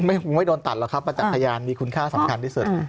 ไม่โดนตัดหรอกครับประจักษ์พยานมีคุณค่าสำคัญที่สุด